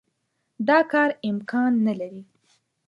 دا کار امکان نه لري.